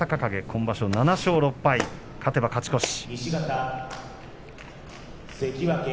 今場所７勝６敗、勝てば勝ち越し。